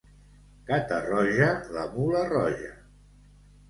Catarroja, la mula roja.